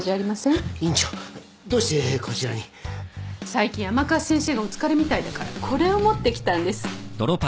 最近甘春先生がお疲れみたいだからこれを持ってきたんです。